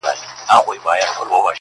• هسي نه چي په شرابو اموخته سم,